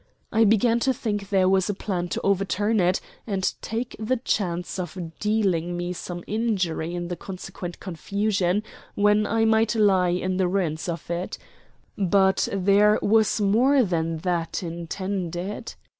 I began to think there was a plan to overturn it and take the chance of dealing me some injury in the consequent confusion when I might lie in the ruins of it. But there was more than that intended.